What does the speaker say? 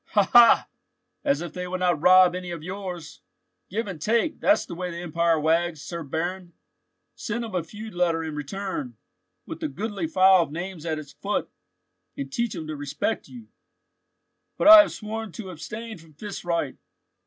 "Ha! ha! as if they would not rob any of yours. Give and take, that's the way the empire wags, Sir Baron. Send him a feud letter in return, with a goodly file of names at its foot, and teach him to respect you." "But I have sworn to abstain from fist right."